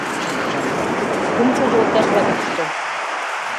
— Кумшо йолташда кушто?